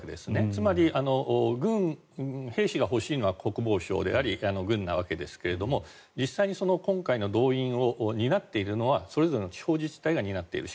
つまり、兵士が欲しいのは国防省であり軍なわけですけど実際に今回の動員を担っているのはそれぞれの地方自治体が担っている。